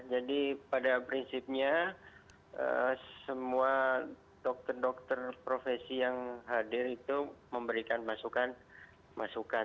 jadi pada prinsipnya semua dokter dokter profesi yang hadir itu memberikan masukan